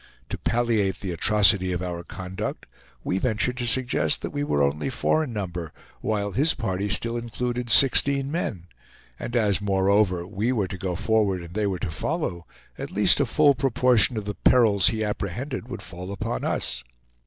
To palliate the atrocity of our conduct, we ventured to suggest that we were only four in number while his party still included sixteen men; and as, moreover, we were to go forward and they were to follow, at least a full proportion of the perils he apprehended would fall upon us.